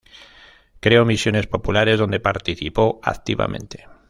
Creo misiones populares, donde participó activamente.